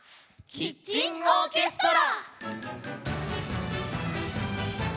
「キッチンオーケストラ」